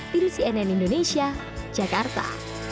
diri cnn indonesia jakarta